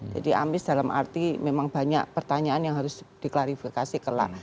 jadi amis dalam arti memang banyak pertanyaan yang harus diklarifikasi kelar